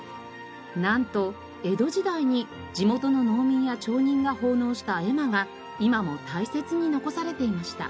なんと江戸時代に地元の農民や町人が奉納した絵馬が今も大切に残されていました。